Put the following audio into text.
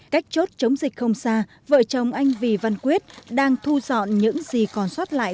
cách chốt chống dịch không xa vợ chồng anh vì văn quyết đang thu dọn những gì còn xót lại